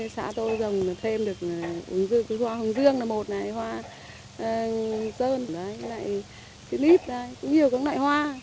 có loại hoa đấy